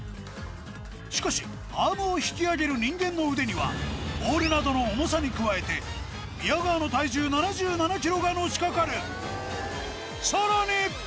しかしアームを引き上げる人間の腕にはボールなどの重さに加えて宮川の体重７７キロがのしかかるさらに！